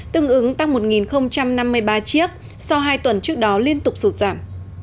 tương ứng tăng một năm mươi ba chiếc sau hai tuần trước đó liên tục sụt giảm